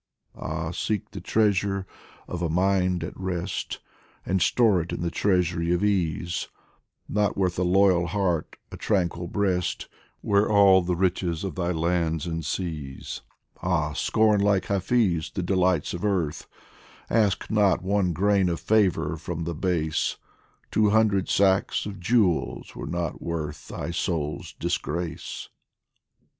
Ah, seek the treasure of a mind at rest And store it in the treasury of Ease ; Not worth a loyal heart, a tranquil breast, Were all the riches of thy lands and seas ! 92 DIVAN OF HAFIZ Ah, scorn, like Hafiz, the delights of earth, Ask not one grain of favour from the base, Two hundred sacks of jewels were not worth Thy soul's disgrace